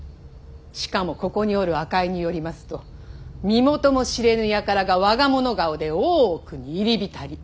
しかもここにおる赤井によりますと身元も知れぬ輩が我が物顔で大奥に入り浸り。